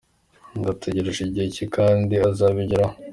Ngo ategereje igihe cye kandi azabigeraho.